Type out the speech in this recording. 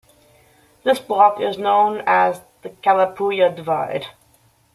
This block is known as the Calapooya Divide.